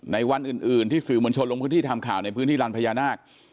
วันอื่นที่สื่อมวลชนลงพื้นที่ทำข่าวในพื้นที่ลานพญานาค